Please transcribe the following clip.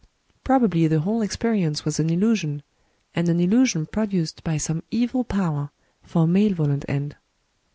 Probably the whole experience was an illusion, and an illusion produced by some evil power for a malevolent end.